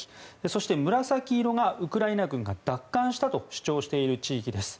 そして紫色がウクライナ軍が奪還したと主張している地域です。